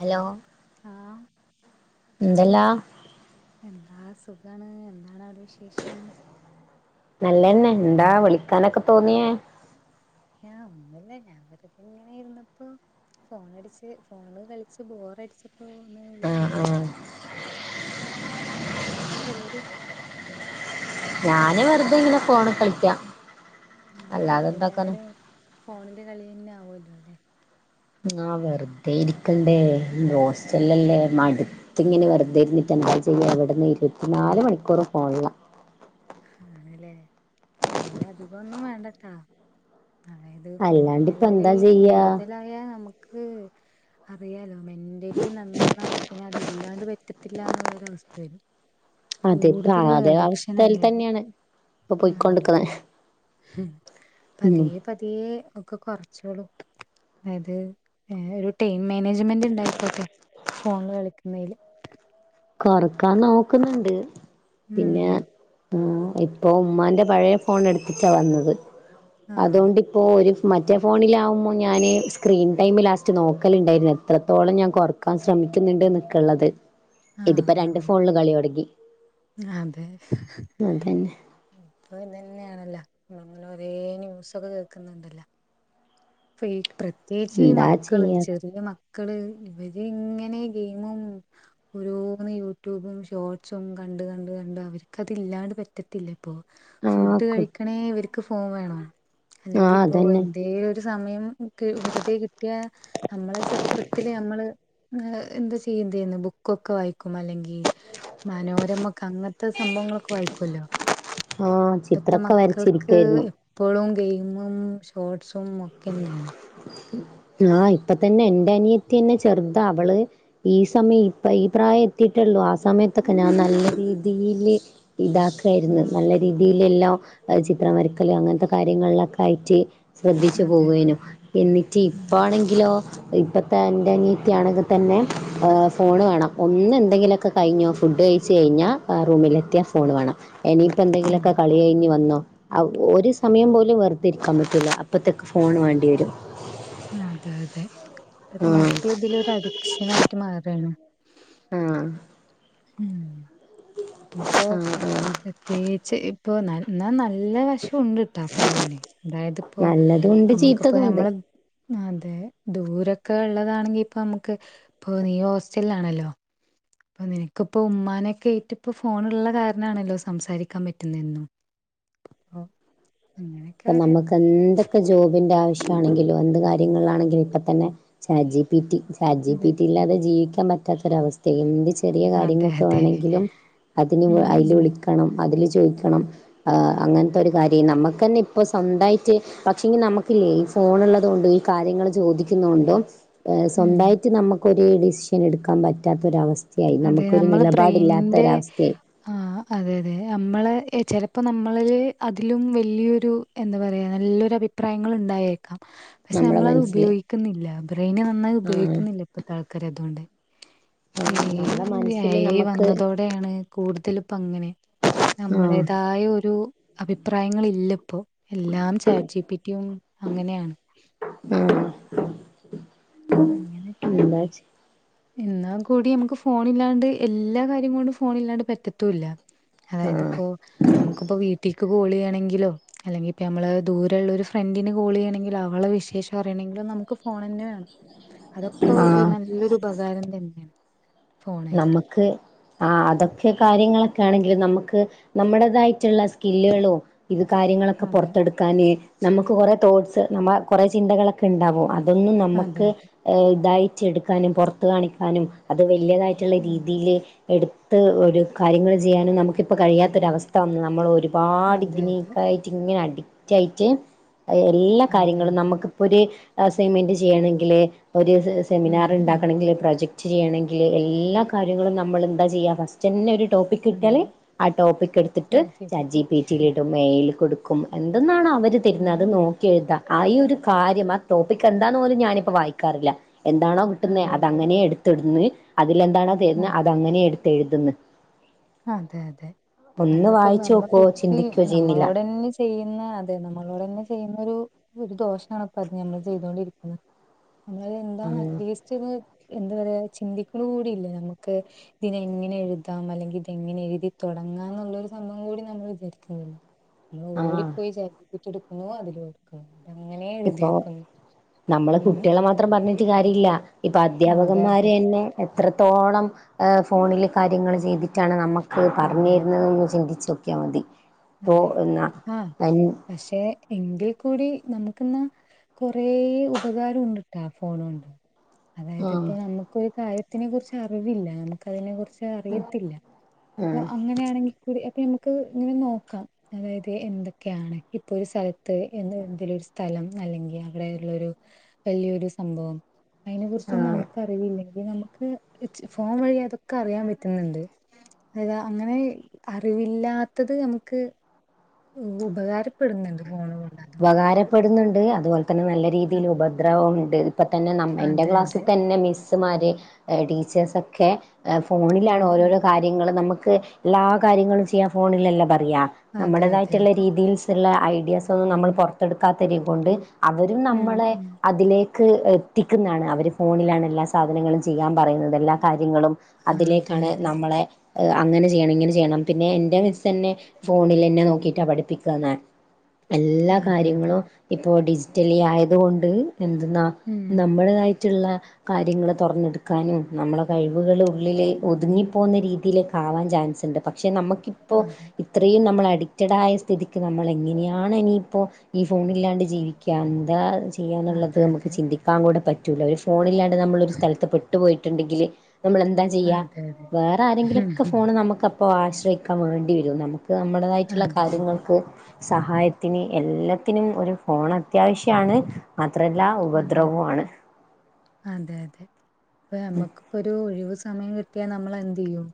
Hello ആ എന്തല്ലാ ആ സുഖാണ്. എന്താണ് അവിടെ വിശേഷം നല്ലന്നെ, എന്താ വിളിക്കാനൊക്കെ തോന്നിയേ ഞാൻ ഒന്നുമല്ല, ഞാൻ വെറുതെങ്ങനെ ഇരുന്നപ്പോ ഫോണടിച്ച് ഫോണ് കളിച്ച് ബോറടിച്ചപ്പോ ഒന്ന് വിളിച്ചു ആഹ് ആഹ് നോക്കിയതാണ് ഏഹ് എന്താ പരിപാടി ഞാന് വെറുതെങ്ങനെ ഫോണ് കളിക്കാ ആ അപ്പ എല്ലാരും ഫോണില് കളിയന്നെ ആവല്ലോ ല്ലെ ആ വെറുതെ ഇരിക്കണ്ടേ... അതെ ഹോസ്റ്റലല്ലേ മടു ത്ത് ങ്ങനെ വെറുതെ ഇരുന്നിട്ട് എന്താ ചെയ്യ ഇവിടുന്ന് ഇരുപത്തിനാല് മണിക്കൂറും ഫോണില ആണ്ലേ ഫോണിലധികഒന്നും വേണ്ടട്ടാ അതായത് അല്ലാണ്ട് ഇപ്പ ഫോണിലുകളി എന്താ ചെയ്യാ കൂടുതലായാ നമുക്ക് അറിയാലോ, മെന്റലി നന്നായി പിന്നെ അത് ഇല്ലാണ്ട് പറ്റത്തില്ല എന്നുള്ളരവസ്ഥ വരും അതിപ്പ കൂടുതൽ അതെ അഡിക്ഷൻ അവസ്ഥയിൽ ആയാല് തന്നെയാണ്, ഇ. പ്പൊ പോയിക്കൊണ്ട്ക്കുന്നെ ഉ പതിയെ പതിയെ യെ ഒക്കെ കുറച്ചോളും. അത് ഏഹ് ഒരു ടീ മാനേജ്മെന്റ് ഉണ്ടായിക്കോട്ടെ, ഫോണില് കളിക്കുന്നേൽ കൊറക്കാൻ നോക്കുന്നുണ്ട് ഹം ആ ഇപ്പൊ ഉമ്മാന്റെ പഴയ ഫോൺ എടുത്തിട്ടാ വന്നത്, ആഹ് അതുകൊണ്ടിപ്പോ ഒരു മറ്റേ ഫോണിലാവുമ്പോൾ ഞാന് സ്ക്രീൻ ടൈമ് ലാസ്റ്റ് നോക്കലുണ്ടായിരുന്നു. എത്രത്തോളം ഞാൻ കുറക്കാൻ ശ്രമിക്ക ച്ചുന്നുണ്ട് നിക്കള്ളത് ഇതിപ്പോ ആഹ് രണ്ട് ആഹ് ഫോണില് കളി തുടങ്ങി അതെ അതന്നെ ഇപ്പൊ ഇതന്നെയാണല്ലാ ഒരേ ന്യൂസ് ഒക്കെ കേൾക്കുന്ന്ണ്ടല്ലാ പ്രത്യേകിച്ച് ഈ എന്താ മക്കള് ചെയ്യാ ചെറിയ മക്കള് ഇവര് ഇങ്ങനെ ഗെയിമും ഓരോന്ന് യൂട്യൂബും ഷോർസും കണ്ട് കണ്ട് കണ്ട് അവർക്കത് ഇല്ലാണ്ട് പറ്റത്തില്ല. ഇപ്പോ ആഹ് ഫുഡ് കു കഴിക്കണേ ഇവർക്ക് ഫോൺ വേണോ അല്ലെങ്കിൽ ആഹ് ഇപ്പോ അതന്നെ എന്തെ സമയംക്ക് വെറുതെ കിട്ടിയ, നമ്മളെ ചെറുപ്പത്തില് നമ്മള് എന്താ ചെയ എന്ത് ചെയുന്നു. ബുക്കൊക്കെ വായിക്കും അല്ലെങ്കി മനോരമൊക്കെ അങ്ങനത്തെ സംഭവങ്ങളൊക്കെ വായിക്കുല്ലോ ആഹ് ഇപ്പത്തെ ചിത്രൊക്കെ മക്കൾക്ക് വരച്ചിരിക്കായിരുന്നു എപ്പോഴും ഗെയിം യിം ഷോസും ഒക്കെ തന്നെയാണ്. ആഹ് ഇപ്പ തന്നെ എൻന്റെ അനിയത്തി തന്നെ ചെറുതാ അവള് ഈ സമയം ഇപ്പ ഈ പ്രായം എത്തിട്ട് ഉള്ളൂ ആ സമയത്തൊക്കെ ഞാൻ നല്ല രീതിൽ ഇതാക്കായിരുന്നു ആഹ് നല്ല രീതിയിൽ ഇല്ലില്ലോ ചിത്രം വരക്കല്ലെ അങ്ങനത്തെ കാര്യങ്ങളിലൊക്കെ ആയിട്ട് അതെ അതെ പോവനു എന്നിട്ട് ഉം ഇപ്പ ആണെങ്കിലോ? ഇപ്പോഴത്തെ തൻ്റെ അനിയത്തിയാണെങ്കിൽ തന്നെ ഫോണ് വേണം ഒന്ന് എന്തെങ്കിലുമൊക്കെ കഴിഞ്ഞോ ഫുഡ് കഴിച്ച് കഴിഞ്ഞ റൂമില എത്തിയാ ഫോൺ വേണം. ഇനിയിപ്പോ ഉം എന്തെങ്കിലുമൊക്കെ കളി കഴിഞ്ഞ് വന്നോ ഒരു സമയം പോലും വെറുതി ഇരിക്കാൻ പറ്റൂില്ല അപ്പത്തെ ഫോൺ വേണ്ടി വരും. അതെ അതെ ഇപ്പത്തെ ആഹ് മക്കൾ ഇതിലൊ ഒരു അഡിക്ഷൻ ആയിട്ട് മാറയാണ്. ആഹ ഉം ഇപ്പൊ ആഹ് ആഹ് പ്രത്യേകിച്ച് ഇപ്പൊ എന്നാൽ നല്ല വിഷ ണ്ടിട്ട ഫോണിനെ അതായത്പ്പോ നല്ലതുണ്ട് നമ്മുക്കിപ്പോ ചീത്തതുണ്ട് നമ്മള് ഇപ്പൊ അ അതെ ദൂരൊക്കെ ഉള്ളതാണെങ്കി ഇപ്പൊ നമുക്ക് ഇപ്പൊ നീ ഹോസ്റ്റലിലാണല്ലോ. അപ്പൊ നിനക്ക്പ്പോ ഉമ്മാനെൊക്കെയിട്ട് ഇപ്പ ഫോൺള്ള കാരണാണല്ലോ സംസാരിക്കാൻ പറ്റുന്നെന്നും. ആ അപ്പൊ നമുക്ക് എന്തൊക്കെ ജോബിന്റെ ആവശ്യ ണെങ്കിലും എന്ത് കാര്യങ്ങളിലാണെങ്കിലും ഇപ്പ തന്നെ ചാറ്റ് ജിപിറ്റി ചാറ്റ് അതെ ജിപിറ്റി ഇല്ലാതെ ജീവിക്കാൻ പറ്റാത്തൊരവസ്ഥ എന്ത് ചെ ചെറിയ അതെ കാര്യങ്ങളക്കെ അതെ വേണമെങ്കിലും അതിന് ഉം അതിൽ ഉം വിളിക്കണം അതില് ചോ ചോദിക്കണം അങ്ങനത്തെ ഒരു കാര്യം നമുക്ക്ന്നെ ഇ അപ്പൊ സ്വന്തമായിട്ട് പക്ഷെ ഇങ്ക നമുക്കില്ലേ ഈ ഫോൺള്ളത കൊണ്ടും ഈ കാര്യങ്ങൾ ചോദിക്കുന്ന കൊണ്ടോ ഉം സ്വന്തമായിട്ട് നമുക്കൊരു ഡിസിഷൻ എടുക്കാൻ പറ്റാത്തൊരവസ്ഥ അതെ നമ്മള് ബ്രെയിനിന്റെ ആ അതെ അതെ നമ്മള് ചിലപ്പോൾ നമ്മളിൽ അതിലും വലിയൊരു എന്താ പറയുക നല്ലൊരു അഭിപ്രായങ്ങൾ ഉണ്ടായേും പക്ഷെ നമ്മളെ നമ്മളത് മനസ്സില് ഉപയോഗിക്കുന്നില്ല ബ്രെയിന് നന്നായി ആഹ് ഉപയോഗിക്കുന്നില്ല ഇപ്പഴത്തെ ആൾക്കാരെ അതുകൊണ്ട്. ഈ ആഹ് നമ്മളെ മനസ്സില് ഏഐ നമ്മക്ക് വന്നതോടെയാണ് കൂടുതല ഇപ്പ അങ്ങനെ ആഹ് നമ്മളേതായ ഒരു അഭിപ്രായങ്ങളില്ല ഇപ്പോ എല്ലാം ചാറ്റ്ജിപിറ്റിയും അങ്ങനെയാണ്. ആഹ് അങ്ങനെയൊക്കെ എന്താ എന്നാൽ കൂടി നമുക്ക് ഫോൺഇല്ലാണ്ട് എല്ലാകാര്യങ്ങളും ഫോൺ ഇല്ലാണ്ട് പറ്റത്തൂല്ല. അതായത് ആഹ് ഇപ്പോ നമുക്കിപ്പോ വീട്ടിലക്ക് കോള് ചെയണെങ്കിലോ അല്ലെങ്കിൽ നമ്മള് ദൂരുള്ള ഒരു ഫ്രണ്ടിന് കോള് ചെയ്യുന്നെങ്കിലോ അവളെ വിശേഷ അറിയാനെങ്കിലോ നമുക്ക് ഫോൺ തന്നെ വേണം അതൊക്കെ ആഹ് നല്ലൊരു ഉപകാരം തന്നെയാണ്. ഫോണായിട്ട്. നമുക്ക് ആ അതൊക്കെ കാര്യങ്ങളൊക്കെ ആണെങ്കിൽ നമുക്ക് നമ്മുടേതായിട്ടുള്ള സ്കില്ലുകളോ ഇത് കാര്യങ്ങളൊക്കെ അതെ പുറത്തെടുക്കാന് നമുക്ക് കുറെ തോട്ട്സ് നമ്മ കുറേ ചിന്തകളൊക്കെ ഉണ്ടാവും അത് അതൊന്നും അതെ നമുക്ക് അതെ ഇതയച്ചെടുക്കാനും പുറത്ത് കാണിക്കാനും അത് വലിയതായിട്ട് മറ്റുളള ഉം രീതിൽ എടുത്ത് ഒരു കാര്യങ്ങൾ ചെയ്യാനും നമുക്കിപ്പോൾ കഴിയാത്തൊരവസ്ഥ വന്ന് നമ്മൾ ഒരു ഒരുപാട് അതെ അതെ ഇതിനേക്കായിട്ട് ഇങ്ങനെ അഡിക്റ്റ് ആയിട്ട് എല്ലാ അതെ കാര്യങ്ങളും അതെ നമുക്കിപ്പൊ ഒരു സിമെന്റ് ചെയ്യണെങ്കില് ഒരു ഉം സെമിനാർ ഉം ഉണ്ടാക്കണെങ്കിൽ പ്രൊജക്ട് ചെയ്യണമെങ്കിൽ എല്ലാ എല്ലാ കാര്യങ്ങളും നമ്മൾ എന്താ ചെയ്യുക ഫസ്റ്റ് തന്നെ ഒരു ടോപ്പിക് അതെ കിട്ടിയാലേ ആ ടോപ്പിക് എടുത്തിട്ട് ചാറ്റ് ജിപിറ്റിയിൽ ഇടും എഐയിൽ കൊടു ക്കും എന്തെന്നാാണ് അവർ ഉം തരുന്നത് അത് ഉം നോക്കി എഴുതാ ആഈ ഒരു കാര്യം ആ ടോപ്പിക് എന്താണ പോലും ഞാനിപ്പോ വായിക്കാറില്ല. എന്താണോ കിട്ടുന്ന അതെ അത അതെ അങ്ങനെയ എടുത്ത്ടുന്ന് അതിലെന്താണോ തരുന്നത് ഉം അത അങ്ങനെ എടുത്ത എഴുതിന്ന് അതെ അതെ നമ്മളിപ്പോ വായിച്ചു നമ്മള നോക്കുവോ പുദ്ധി ചിന്തിക്കുവോ ചെയ്യുന്നില്ല നമ്മളോടന്നെ ചെയ്യ് പിന്നെ അതെ നമ്മളോടന്നെ ചെയ്യുന്നൊരു ഒരു ദോഷാണ് ഇപ്പ അത് ഞമ്മള് ചെയ്തോണ്ടിരിക്കുന്നത് നിങ്ങളെന്താണ് അറ്റ്ലീസ്റ്റ് ര് എന്ത് പറയാ ചിന്തിക്ണൂടിയില്ല ഞമ്മക്ക് ഇതിനെ എങ്ങനെ എഴുതാം അല്ലെങ്കി എങ്ങനെ എഴുതി തുടങ്ങാനൊന്നൊരു സംഭവം കൂടി നമ്മൾ വിചാരിക്കുന്ന നമ്മൾ ആഹ് ഓടിപ്പോയി ച ന്ത് എടുക്കുണു അതില് എട്ക്ക ഇപ്പൊ നമ്മള് അങ്ങനെ കുട്ടികളെ മാത്രം പറഞ്ഞിട്ട് കാര്യല്ല. ഇപ്പൊ അതെ അതെ അദ്ധ്യാപകന്മാര് ന്നെ എത്രത്തോളം എ ഫോണില് കാര്യങ്ങൾ ചെയ്തിട്ടാണ് നമ്മ ക്ക് അതെ പറഞ്ഞെരുന്ന് അതെ ഒന്നു ചിന്തിച്ചോക്കിയാ മതി ഇപ്പോ അതെ എന്നാ ആ പക്ഷെ എങ്കിൽ കൂടി നമുക്കിന്ന് കൊറേ ഉപകാരം ഉണ്ട്ട്ടാ ഫോണോണ്ട് അതായത് ആഹ് ഇപ്പോ നമുക്ക് ഒരു കാര്യത്തിനെ കുറിച്ച് അറിവില്ല നമുക്ക് അതിനെ കുറിച്ച് അറിയത്തില്ല അപ്പോ അങ്ങനെ യാണെങ്കിൽ കൂടി അപ്പൊ ഞമ്മക്ക് ഇങ്ങനെ നോക്കാം അതായത് എന്തൊക്കെയാണ് ഇപ്പൊ ഒരു സ്ഥലത്ത് എന്ന് എന്തിലും ഒരു സ്ഥലം അല്ലെങ്കിൽ അവിടെ ഉള്ളൊരു വലിയൊരു സംഭവം അതിനെ കുറിച്ചൊന്നും ആഹ് നമ്മക്ക് അറിവില്ല. നമുക്ക് ച്ച് ഫോൺ വഴി അതൊക്കെ അറിയാൻ പറ്റുന്നുണ്ട് അതാ അങ്ങനെ അറിവില്ലാത്തത് നമു ക്ക് ഉപകാരപ്പെടുന്നുണ്ട് ഫോണ് കൊണ്ട് അതുകൊണ്ട് ഉപകാരപ്പെടുന്നുണ്ട് അതുപോലെ തന്നെ നല്ല രീതിയിൽ ഉപദ്രവം ഉണ്ട് ഇപ്പം തന്നെ നമ്മ എൻ്റെ അതെ ക്ലാസ്സിൽ അതെ തന്നെ മിസ് മിസ്സ്മാരെ ടീച്ചേഴ്‌സൊക്കെ ഉം ഫോണിലാണ് ഉം. ഓരോരോ കാര്യങ്ങള് നമക്ക് എല്ലാ കാര്യങ്ങളും ചെയ്യാൻ ഫോണിലല്ല പറയാ അതെ അതെ നമ്മുടേതായിട്ടുള്ള അതെ രീതീസിള്ള ഐഡിയാസ് നമ്മള് പുറത്തെടുക്കാത്തിരി കൊണ്ട് അവരും ഉം നമ്മളെ ഉം അതിലേ ക്ക് എത്തിക്കുന്നാണ് അവര് ഫോണിലാണ് എല്ലാ സാധനങ്ങളും ചെയ്യാൻ പറയുന്നത് എല്ലാ കാര്യങ്ങളും അതെ അതിലേക്കാണ് അതെ നമ്മളെ അങ്ങന ചെയ്യണം ഇങ്ങനെ ചെയ്യണം പിന്നെ എന്റെ മിസ് തന്നെ ഫോണിലന്നെ നോക്കിട്ട പഠിപ്പിക്കുന്നെ എല്ലാ അതെ അതെ കാര്യങ്ങളും ഇപ്പോൾ ഡിജിറ്റലി ആയതുകൊണ്ട് എന്തുന്നാ ഉം നമ്മടേതായിട്ട്ള്ള കാര്യങ്ങള് തുറന്നെടുക്കാനും നമ്മളെ കഴിവുകൾ ഉള്ളിലെ ഒതുങ്ങിപ്പോകുന്ന രീതിയിലേക്കാവാൻ ചാൻസ്ണ്ട് പക്ഷെ നമുക്കിപ്പോൾ അതെ ഇത്രയും നമ്മൾ അഡിക്റ്റഡ് ആയ സ്ഥിതിക്ക് നമ്മള് എങ്ങനെയാ ആണ് ഇനിയിപ്പോൾ ഈ ഫോണില്ലാണ്ട് ജീവി ക്കന്താ ചെയ്യാനുള്ളത് അതെ നമുക്ക് അതെ ചി ന്തിക്കാൻ കൂട പറ്റൂല്ല ഒര് ഫോണില്ലാണ്ട് നമ്മളൊരു സ്ഥലത്ത് പെട്ടുപോയി ണ്ടെങ്കില് നമ്മളെന്താ ചെയ്യാ? അതെ അതെ വേറെ ആരെങ്കിലും ഒക്ക ഉം ഫോണ് നമക്ക് അപ്പോ ആശ്രയിക്കാൻ വേണ്ടി വരും നമുക്ക് നമ്മടതായിട്ടുള്ള അതെ അതെ കാര്യങ്ങൾക്ക് ക്ക് സഹായത്തിന് എല്ലാത്തിനും ഒരു ഫോൺ അത്യാവശ്യമാണ്. ത്രല്ലാ അതെ അതെ ഉപദ്രവും ആണ് അപ്പ നമ്മക്കിപ്പൊ ഒരു ഒഴിവു സമയം കിട്ടിയാൽ നമ്മളെന്തെയ്യും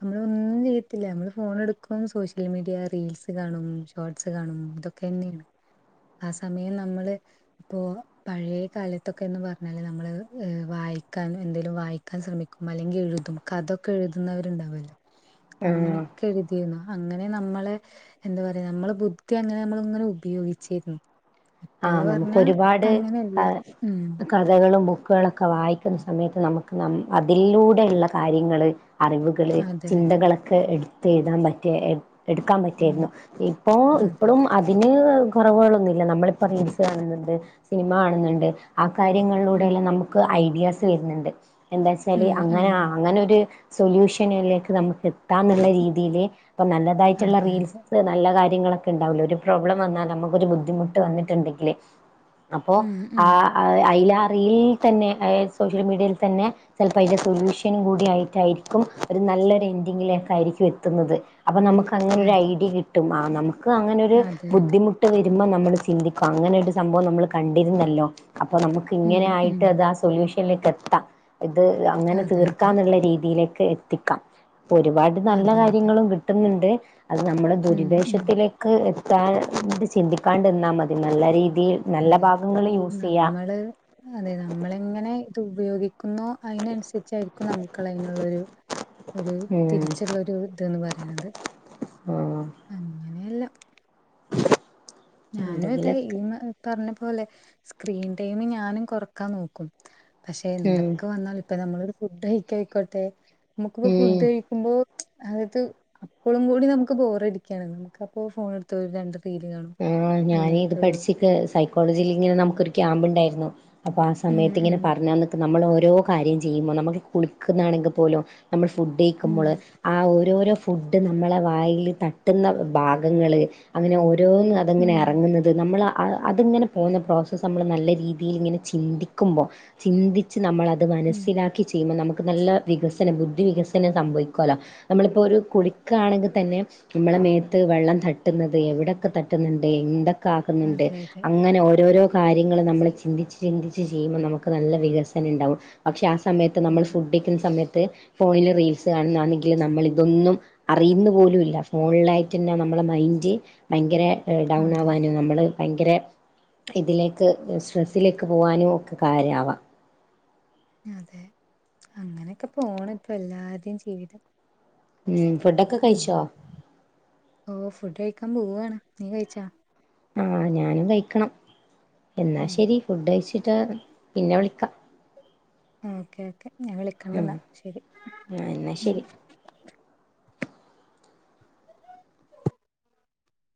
നമ്മളൊന്നും ചെയ്യത്തില്ല നമ്മള് ഫോ ണ് എടുക്കും സോഷ്യൽ മീഡിയ റീൽസ് കാണും ഷോർട്സ് കാണും അതൊക്കന്നെണ് ആ സമയം നമ്മള് ഇപ്പോ പഴേ കാലത്തൊക്കെ എന്ന് പറഞ്ഞാല് നമ്മള് ങ് വായിക്കാൻ എന്തേങ്കലും വായിക്കാൻ ശ്രമിക്കും അല്ലെങ്കി ഴ്തും കഥൊക്കെ എഴുതുന്നവരുണ്ടാവല്ലോ ആഹ് അങ്ങനൊക്കെ എഴുതിന്നു അങ്ങനെ നമ്മൾ ള് എന്ത് പറയാ നമ്മള ബുദ്ധി അങ്ങനെ നമ്മള് ഇങ്ങനെ ഉപയോഗിച്ചേരുന്നു ആ നമുക്ക് ഒരുപാട് അ ഉം കഥകളും ഒ ബുക്കോളൊക്കെ വായിക്കുന്ന സമയത്ത് നമുക്ക് ന അതിലൂടെയുള്ള കാര്യങ്ങള് അറിവുകള് അതെ അതെ ചിന്തകളൊക്കെ എടുത്ത് എഴുതാൻ പറ്റിയേ എ എടുക്കാൻ ഉം പറ്റിയേരുന്നു ഇപ്പോ അതെ ഇപ്പളും അതിന് കുറവുകളൊന്നില്ല നമ്മള് ഇപ്പ റീൽസ് കാണുന്നുണ്ട് സിനിമ കാണുന്നുണ്ട് ആ ഉം കാര്യങ്ങളിലൂടെയെല്ലാം നമുക്ക് ഐഡിയാസ് വരുന്നുണ്ട് എന്താ ച്ചാല് ഉം അങ്ങന ഉം അങ്ങനൊര് സൊലൂഷനിലേക്ക് നമുക്ക് എത്താം എന്നുള്ള രീതിയില് അപ്പൊ നല്ലതായിട്ടുള്ള അതെ അതെ റീൽസ് നല്ലാ കാര്യങ്ങളൊക്ക ഇണ്ടാവൂലേ ഒരു പ്രോബ്ലംവാന്നാൽ നമുക്കൊരു ബുദ്ധിമുട്ട് വന്നി റ്റ്ണ്ടങ്കില് അപ്പോ ഉം ആ ഉം അയിലാ റീലിൽ തന്നെ അതായത് സോഷ്യൽ മീഡിയയിൽ തന്നെ ചെലപ്പോ അയിന്റെ സൊല്യൂഷൻ കൂടിയാ യിട്ടായിരിക്കും ഒരു നല്ല നല്ലൊരു എൻഡിങ്ങിലേക്കായിരിക്കും എത്ത്ന്നത് അപ്പനമുക്ക് അങ്ങനെ ഒരു അതെ ഐഡിയ കിട്ടും ആഹ് നമുക്ക് അങ്ങനൊരു അതെ അതെ ബുദ്ധിമുട്ട് വരുമ്മം നമ്മൾ ചിന്തിക്ക അങ്ങനെ ഒരു സംഭവം നമ്മ്ള് കണ്ടിര്ന്നല്ലോ അപ്പൊ നമുക്ക് ഉം ഉം ഇങ്ങനെആയിട്ട്ത് ആ സൊല്യൂഷൻ [unintelligible] ലേക് എത്താം ഇത് അങ്ങനെ അതെ അതെ തീർക്കാന്ന്ള്ള രീതിയിലേക്ക് എത്തിക്കാം പ്പൊ ഒരുപാട് നല്ല അതെ അതെ കാര്യങ്ങളും കിട്ടുന്നുണ്ട് അത് നമ്മള് ഉം ഉം ദുരുദ്ദേശത്തിലേക്ക് എത് ത്താണ്ട് ചിന്തിക്കാണ്ട്ന്നാമതി നല്ല രീതി അതെ നമ്മള് അതെ നമ്മൾ ഇങ്ങനെ ഇത് ഉപയോഗി ക്കുന്നോ അതിനനുസരിച്ചായിരിക്കും നമുക്ക്ള്ളെ അയ്ന്ള്ളൊരു ഒരു ഉം തിരിച്ചുള്ള ഒരു ത് ന്ന് പറിണത് ആഹ് ഞാനുംഅതേ ഈ എന്തെങ്കിലൊക്കെ പറഞ്ഞ പോ പോലെ സ്ക്രീൻ ടൈം ഞാനും കൊറക്കാൻ നോക്കും പക്ഷെ ഉം എന്തൊക്കെ വന്നാൽ ഇപ്പൊ നമ്മളൊരു ഫുഡ് കഴിക്കയിക്കോട്ടെ നമുക്കിപ്പോ ഫുഡ് ഉം കഴിക്കുമ്പോ അതായത് അപ്പളും കൂടി നമുക്ക് ബോറടിക്കയാണ് നമുക്ക അപ്പോ ഫോണ എടുത്ത് രണ്ട് റീല് കാണും ആ ഞാന് ഇത് അങ്ങനെയൊക്കെ ഒരു പഠിച്ചിക്ക് സൈക്കോളജിൽ ഇങ്ങനെ നമുക്കൊരു ക്യാമ്പ് ഉണ്ടായിരുന്നു അപ്പൊ ആ ഉം സമയത്ത് ഇങ്ങനെ ഉം പറഞ്ഞന്നക്ക് നമ്മൾ ഓരോ കാര്യം ചെയ്യുമ്പോ നമ്മക്ക് കുളിക്കുന്നാണെങ്കിൽ പോലും നമ്മള് ഉം ഫുഡ്കയ്ക്കുമ്പോൾ ആ ഒര് - ഓരോ ഫുഡ്‌ നമ്മളെ വായീല് തട്ടുന്ന ഭാഗങ്ങള് അങ്ങനെ ഓ ഓരോന്ന് അതങ്ങനെ ഉം ഇറങ്ങുന്നത് നമ്മളാ അതിങ്ങനെ പോകുന്ന പ്രോസസ്സ് നമ്മള് നല്ല രീതിൽ ഇങ്ങനെ ചിന്തിക്കുമ്പോ ചിന്തിച്ച് നമ്മളത് ഉം മനസ്സിലാക്കി ചെയ്യുമ്പോൾ നമുക്ക് നല്ല വികസനം ബുദ്ധി വികസനം സംഭവിക്കോലോ നമ്മളിപ്പോ ഒരു കുളിക്കാണെങ്കിൽ തന്നെ നമ്മളെ മേത്ത് വെള്ളം തട്ടുന്നത് എവിടെയൊക്കെ തട്ടുന്നുണ്ട് എന്തൊക്കെ ആകുന്നുണ്ട് അതെ അതെ അങ്ങനെ ഓരോരോ കാര്യങ്ങള് നമ്മളെ ചിന്തിച്ച് ചിന്തിച്ച് ചെയ്യുമ്പോൾ നമുക്ക് നല്ല വികസന ഉണ്ടാവും പക്ഷെ ആ സമയത്ത് നമ്മൾ അതെ ഫുഡ്കഴിക്കുന്ന സമയത്ത് ത്ത് ഫോണിൽ റീൽസ് കാണുന്നാ ണെങ്കിൽ നമ്മള് ഇതൊന്നും അറിയുന്ന പോലുംല്ല ഫോണിലായിട്ട് തന്നെ ന നമ്മളെ മൈൻഡ് ഭയങ്കര ഡൗൺ അതെ ആവാനും നമ്മള് ഭയങ്കര ഇതിലേക്ക് സ്ട്രെസ്സിലേക്ക് പോവാനും ഒക്കെ കാര്യാവാം അതെ അങ്ങനെക്കെ പോണ് ഇപ്പൊ എല്ലാരുടെയും ജീവിതം ഉം ഫുഡൊക്കെ ഉം കഴിച്ചോ ഓ ഫുഡ് കഴിക്കാൻ പോവാണ്, നീ കഴിച്ചാ? ആഹ് ഞാനും കഴിക്കണം എന്നാ ഉം ശരി ഫുഡ് കഴിച്ചിട്ട് പിന്നെ വിളിക്കാം. ആഹ് ഓക്കെ ഓക്കെ ഞാൻ വിളിക്കണ്ട് ഉം എന്ന ശരി. ആഹ് എന്നാ ശരി